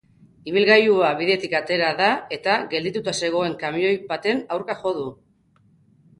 Ibilgailua bidetik atera da eta geldituta zegoen kamioi baten aurka jo du.